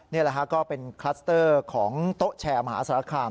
นี่แหละฮะก็เป็นคลัสเตอร์ของโต๊ะแชร์มหาสารคาม